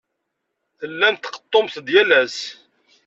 Tellamt tqeḍḍumt-d yal ass.